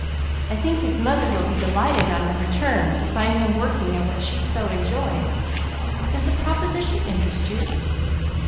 I think his mother will be delighted on her return to find him working at what she so enjoys. Does the proposition interest you?"